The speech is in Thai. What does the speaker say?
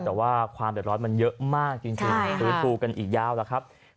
แต่ว่าความเดือดร้อนมันเยอะมากจริงฟื้นฟูกันอีกยาวแล้วครับ